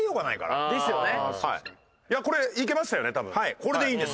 これでいいんです。